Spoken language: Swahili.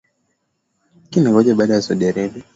lakini inakuja baada ya Saudi Arabia